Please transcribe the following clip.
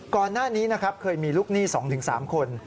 ก่อนหน้านี้นะครับเคยมีลูกหนี้๒๓คน